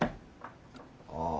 ああ